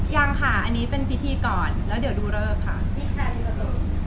ยังค่ะอันนี้เป็นพิธีก่อนแล้วเดี๋ยวดูเลือกค่ะค่ะต้องรอเลือกค่ะ